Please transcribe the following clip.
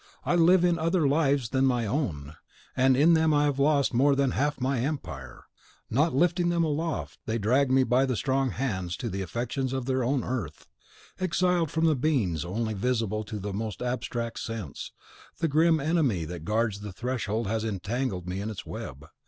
I live in other lives than my own, and in them I have lost more than half my empire. Not lifting them aloft, they drag me by the strong bands of the affections to their own earth. Exiled from the beings only visible to the most abstract sense, the grim Enemy that guards the Threshold has entangled me in its web.